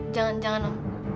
jangan jangan om